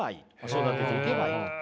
育てていけばいいと。